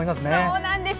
そうなんです！